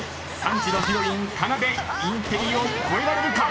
［３時のヒロインかなでインテリを超えられるか？］